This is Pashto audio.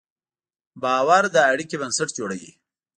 باور د اړیکې بنسټ جوړوي.